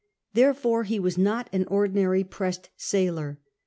Tlierefore he was not an ordinary pressed sailor.